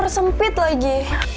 udah sempit lagi